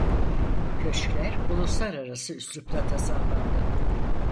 Köşkler Uluslararası üslup'ta tasarlandı.